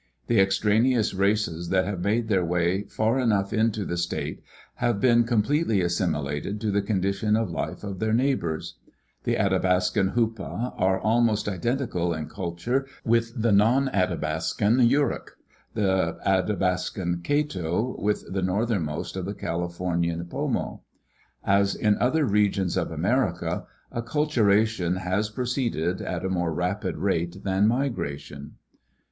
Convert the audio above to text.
The extraneous races that have made their way far enough into the state have been completely assimilated to the condition of life of their neighbors. The Athabascan Hupa are almost identical in culture with the non Athabascan Yurok, the Athabascan Kato with the northernmost of the Calif ornian Porno. As in other regions of America, acculturation has proceeded at a more rapid rate than migration.